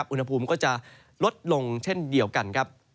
อุณหภูมิก็จะลดลงเช่นเดียวกันครับ